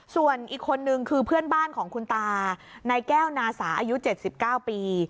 ส่วนอีกคนนึงคือเพื่อนบ้านของคุณตานายแก้วนาสาอายุ๗๙ปี